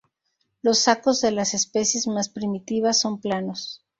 Los sacos de las especies más primitivas son planos.